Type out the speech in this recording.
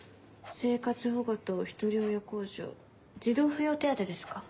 生活保護とひとり親控除児童扶養手当ですか。